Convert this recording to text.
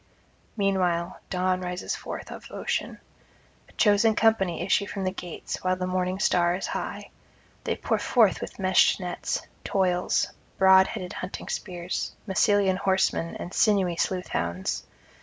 Meanwhile Dawn rises forth of ocean. A chosen company issue from the gates while the morning star is high; they pour forth with meshed nets, toils, broad headed hunting spears, Massylian horsemen and sinewy sleuth hounds.